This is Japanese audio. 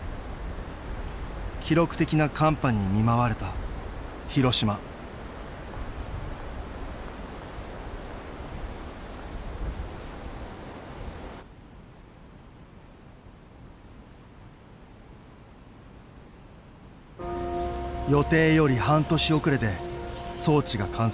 記録的な寒波に見舞われた広島予定より半年遅れで装置が完成。